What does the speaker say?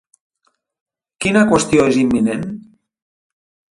Quina qüestió és imminent?